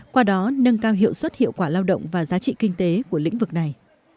qua đó nâng cao hiệu suất hiệu quả lao động và giá trị kinh tế của lĩnh vực này